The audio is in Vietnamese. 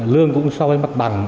lương cũng so với mặt bằng